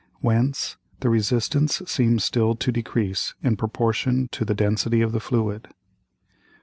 Whence the Resistance seems still to decrease in proportion to the Density of the Fluid.